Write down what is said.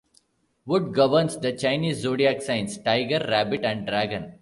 Wood governs the Chinese zodiac signs Tiger, Rabbit and Dragon.